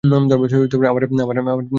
আমার সহ ইঞ্জিনিয়ারের জন্য ডোনাট।